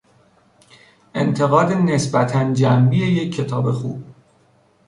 انتقاد نسبتا جنبی یک کتاب خوب